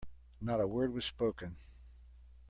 Not a word was spoken.